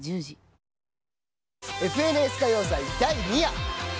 「ＦＮＳ歌謡祭」第２夜。